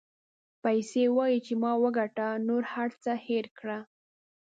پیسې وایي چې ما وګټه نور هر څه هېر کړه.